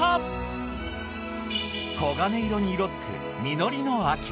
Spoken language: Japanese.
黄金色に色づく実りの秋。